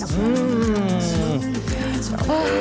menghangatkan hati dan tubuh